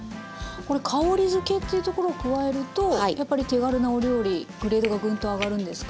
これ香りづけっていうところを加えるとやっぱり手軽なお料理グレードがぐんと上がるんですか？